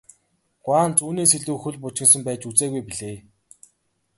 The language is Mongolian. Гуанз үүнээс илүү хөл бужигнасан байж үзээгүй билээ.